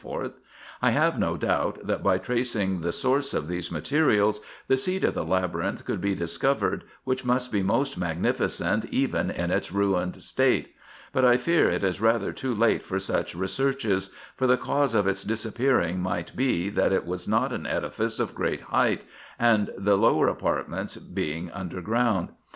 I have no doubt» that by tracing the source of these materials, the seat of the Laby rinth could be discovered, which must be most magnificent even in its ruined state ; but I fear it is rather too late for such researches, for the cause of its disappearing might be, that it was not an edifice of great height, the lower apartments being under ground.